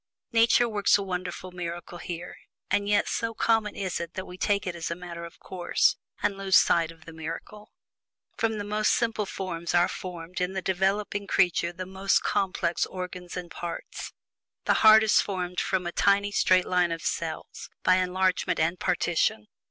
Nature works a wonderful miracle here, and yet so common is it that we take it all as a matter of course, and lose sight of the miracle. From the most simple forms are formed in the developing creature the most complex organs and parts. The heart is formed from a tiny straight line of cells, by enlargement and partition.